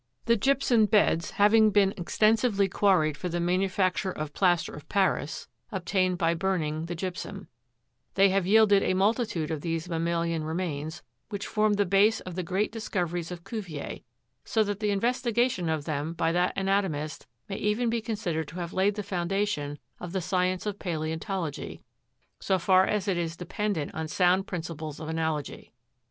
The gypsum beds having been extensively quarried for the manufacture of "plaster of Paris" (obtained by burning the gypsum), they have yielded a multitude of these mammalian remains, which formed the base of the great dis coveries of Cuvier so that the investigation of them by that anatomist may even be considered to have laid the foundation of the science of Paleontology, so far as it is dependent on sound principles of analogy.